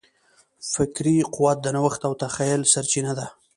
فکري قوت د نوښت او تخیل سرچینه ده.